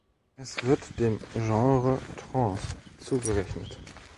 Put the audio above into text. Es wird dem Genre Trance zugerechnet.